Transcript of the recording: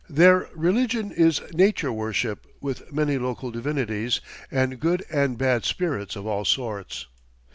Their religion is nature worship with many local divinities and good and bad spirits of all sorts.